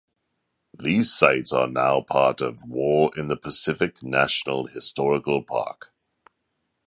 These sites are now part of the War in the Pacific National Historical Park.